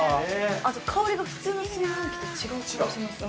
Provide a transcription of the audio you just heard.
◆あと、香りが普通の炊飯器と違う感じがします。